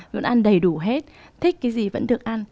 vẫn ăn đầy đủ hết thích cái gì vẫn được ăn